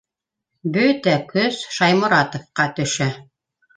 Бөтә көс Шайморатовҡа төшә.